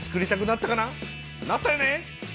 なったよね！？